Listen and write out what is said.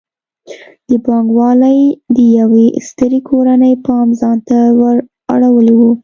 د بانک والۍ د یوې سترې کورنۍ پام ځان ته ور اړولی و.